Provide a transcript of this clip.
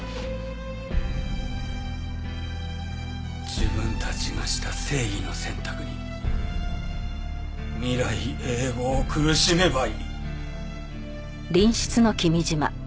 自分たちがした正義の選択に未来永劫苦しめばいい。